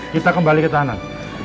kita kembali ke tanah